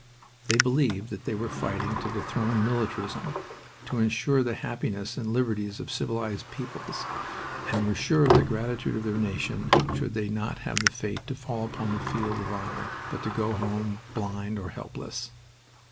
They believed that they were fighting to dethrone militarism, to insure the happiness and liberties of civilized peoples, and were sure of the gratitude of their nation should they not have the fate to fall upon the field of honor, but go home blind or helpless.